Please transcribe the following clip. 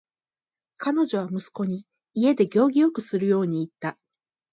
彼女は息子に家で行儀よくするように言った。